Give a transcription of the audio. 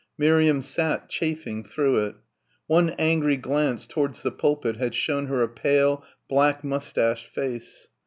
Miriam sat, chafing, through it. One angry glance towards the pulpit had shown her a pale, black moustached face.